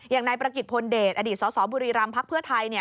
อย่างนายประกิจพลเดชอดีตสสบุรีรำพักเพื่อไทย